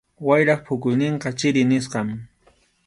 Wayrap phukuyninqa chiri nisqam.